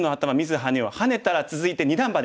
「ハネたら続いて二段バネ！」